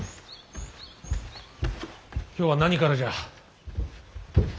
今日は何からじゃ。